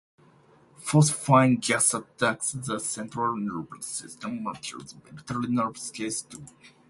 Phosphine gas attacks the central nervous system, much as military nerve gases do.